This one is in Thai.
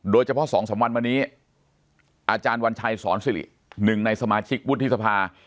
โดยเฉพาะ๒๓วันวันนี้อาจารย์วัญชัยศรสิริ๑ในสมาชิกวุฒิษภา